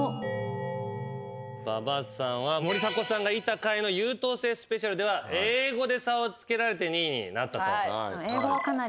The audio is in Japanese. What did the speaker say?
馬場さんは森迫さんがいた回の優等生ＳＰでは英語で差をつけられて２位になったと。